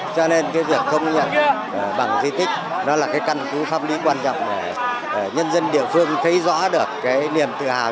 tuy nhiên bằng di tích nó là cái căn cứ pháp lý quan trọng để nhân dân địa phương thấy rõ được cái niềm tự hào